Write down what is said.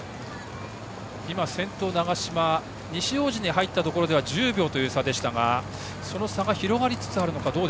先頭の長嶋西大路に入ったところでは１０秒という差でしたがその差が広がりつつあるのか。